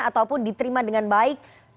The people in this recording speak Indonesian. ataupun diterima dengan baik